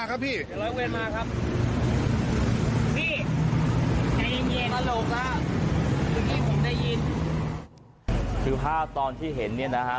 คือภาพตอนที่เห็นเนี่ยนะฮะ